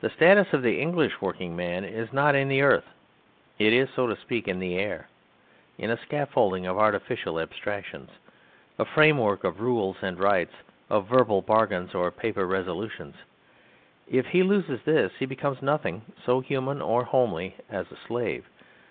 The status of the English workman is not in the earth; it is, so to speak, in the air in a scaffolding of artificial abstractions, a framework of rules and rights, of verbal bargains or paper resolutions. If he loses this, he becomes nothing so human or homely as a slave.